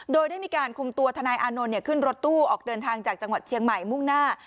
โดยได้มีการคุมตัวทนายอานนท์ขึ้นรถตู้ออกเดินทางจากจังหวัดเชียงใหม่มุ่งหน้า